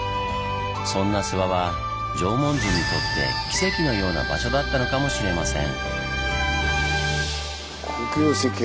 そんな諏訪は縄文人にとって奇跡のような場所だったのかもしれません。